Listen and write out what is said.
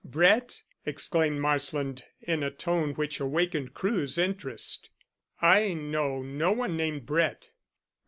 "Brett?" exclaimed Marsland in a tone which awakened Crewe's interest. "I know no one named Brett."